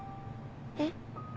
えっ？